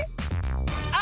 あ！